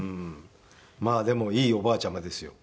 まあでもいいおばあちゃまですよ。